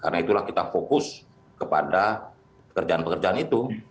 dan itulah kita fokus kepada pekerjaan pekerjaan itu